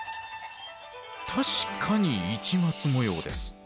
確かに市松模様です。